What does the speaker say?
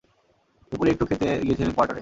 দুপুরে একটু খেতে গিয়েছিলেন কোয়ার্টারে।